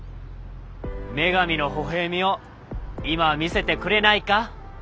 女神のほほ笑みを今見せてくれないか？